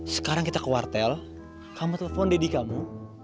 sekarang kita ke wartel kamu telepon daddy kamu